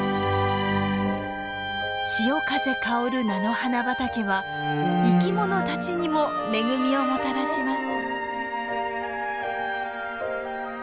潮風香る菜の花畑は生きものたちにも恵みをもたらします。